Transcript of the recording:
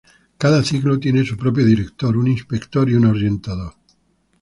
Cada ciclo tiene su propio director, un inspector y un orientador.